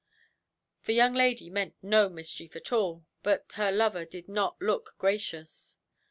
The young lady meant no mischief at all, but her lover did not look gracious.